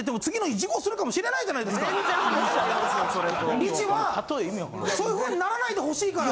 リチはそういうふうにならないでほしいから。